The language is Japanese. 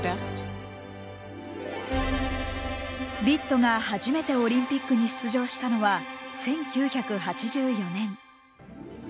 ビットが初めてオリンピックに出場したのは１９８４年。